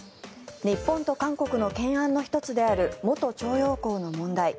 日本と韓国の懸案の一つである元徴用工の問題。